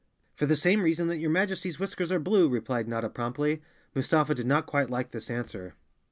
"For the same reason that your Majesty's whiskers are blue," replied Notta promptly. Mustafa did not quite like this answer.